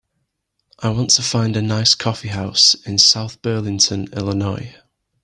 I want to find a nice coffeehouse in South Burlington Illinois